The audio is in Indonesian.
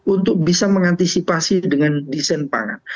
untuk bisa mengantisipasi dengan desain pangan